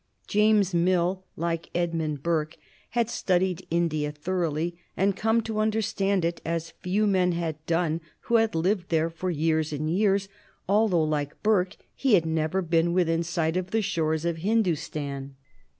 James Mill, like Edmund Burke, had studied India thoroughly, and come to understand it as few men had done who had lived there for years and years, although, like Burke, he had never been within sight of the shores of Hindustan.